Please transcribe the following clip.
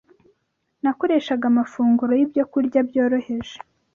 Nakoreshaga amafunguro y’ibyokurya byoroheje,